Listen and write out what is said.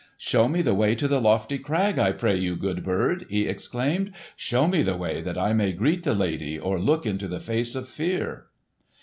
"Show me the way to the lofty crag, I pray you, good bird!" he exclaimed. "Show me the way, that I may greet the lady or look into the face of fear!"